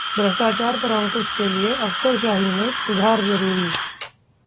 भ्रष्टाचार पर अंकुश के लिए अफसरशाही में सुधार जरूरी